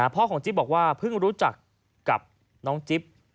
พ่อของจิ๊บบอกว่าเพิ่งรู้จักกับน้องจิ๊บ